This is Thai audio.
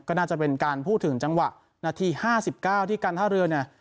ก็น่าจะเป็นการพูดถึงจังหวะนาทีห้าสิบเก้าที่กันท่าเรือเนี่ย